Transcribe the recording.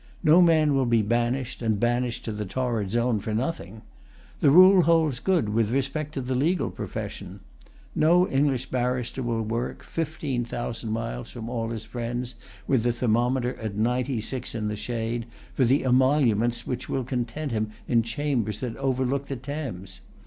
No man will be banished, and banished to the torrid zone, for nothing. The rule holds good with respect to the legal profession. No English barrister will work, fifteen thousand miles from all his friends, with the thermometer at ninety six in the shade, for the emoluments which will content him in chambers that overlook the Thames.